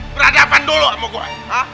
beradaban dulu sama gue